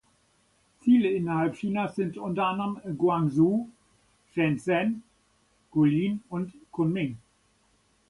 Ziele innerhalb Chinas sind unter anderem Guangzhou, Shenzhen, Guilin und Kunming.